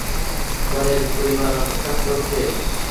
বরের পরিবার অপেক্ষা করছে।